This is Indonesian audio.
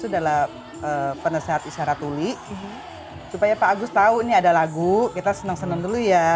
adalah penasehat isyaratuli supaya pak agus tahu ini ada lagu kita seneng seneng dulu ya